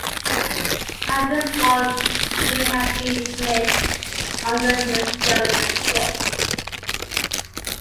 Hadrian's Wall may have been finished under his governorship.